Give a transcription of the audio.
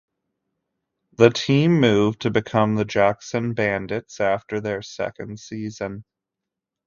The team moved to become the Jackson Bandits after their second season.